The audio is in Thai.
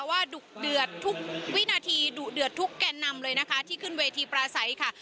ดุเดือดทุกวินาทีดุเดือดทุกแก่นำเลยนะคะที่ขึ้นเวทีปลาใสค่ะ